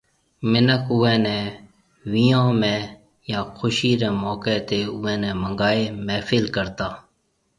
منک اوئي ني بيهون ۾ يا خوشي ري موقعي تي اوئي ني منگائي محفل ڪرتا